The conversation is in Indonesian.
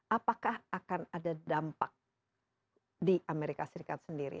apakah akan ada dampak di amerika serikat sendiri